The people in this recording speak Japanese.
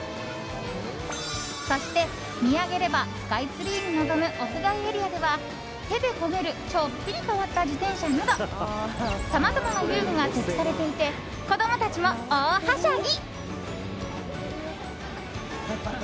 そして、見上げればスカイツリーに臨む屋外エリアでは手でこげるちょっぴり変わった自転車などさまざまな遊具が設置されていて子供たちも大はしゃぎ！